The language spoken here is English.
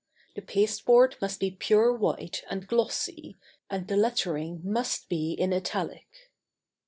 The pasteboard must be pure white and glossy and the lettering must be in italic.